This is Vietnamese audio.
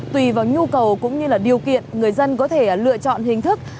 tùy vào nhu cầu cũng như điều kiện người dân có thể lựa chọn hình thức